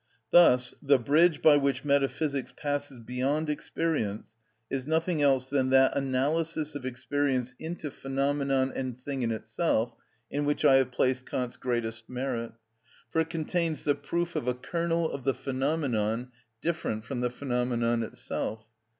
Thus the bridge by which metaphysics passes beyond experience is nothing else than that analysis of experience into phenomenon and thing in itself in which I have placed Kant's greatest merit. For it contains the proof of a kernel of the phenomenon different from the phenomenon itself.